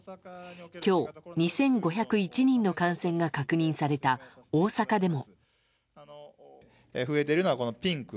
今日、２５０１人の感染が確認された大阪でも。